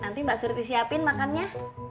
nanti mbak surti siapin makannya